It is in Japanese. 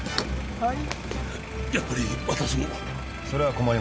はい。